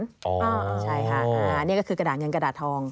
ใช่ค่ะนี่ก็คือกระดาษเงินกระดาษทอง